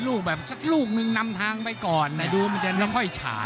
ลูกหนึ่งนำทางไปก่อนนะดูมันจะแล้วค่อยฉาย